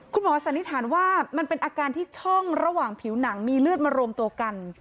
สันนิษฐานว่ามันเป็นอาการที่ช่องระหว่างผิวหนังมีเลือดมารวมตัวกัน